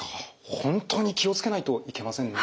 本当に気を付けないといけませんね。